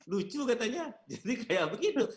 lucu katanya jadi kayak begitu